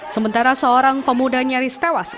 sementara seorang pemuda nyaris tewas usai pengeroyokan bonek